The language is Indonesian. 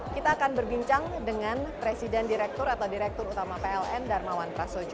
kita akan berbincang dengan presiden direktur atau direktur utama pln darmawan prasojo